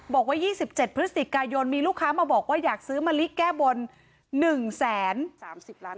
บอกว่า๒๗พฤศจิกายนมีลูกค้ามาบอกว่าอยากซื้อมะลิแก้บน๑๐๓๐ล้าน